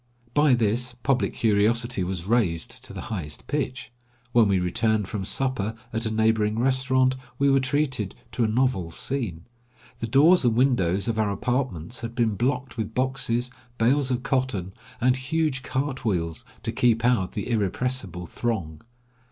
By this, public 150 Across Asia on a Bicycle curiosity was raised to the highest pitch. When we returned from supper at a neighboring restaurant, we were treated to a novel scene. The doors and windows of our apartments had been blocked with boxes, bales of cotton, and huge cart wheels to keep out the irrepressible throng.